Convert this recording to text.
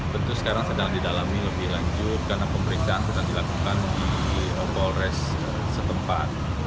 tentu sekarang sedang didalami lebih lanjut karena pemeriksaan sedang dilakukan di polres setempat